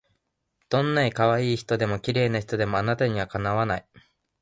どんない可愛い人でも綺麗な人でもあなたには敵わない